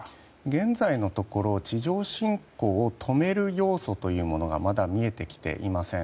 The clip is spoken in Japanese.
現在のところ、地上侵攻を止める要素というものがまだ見えてきていません。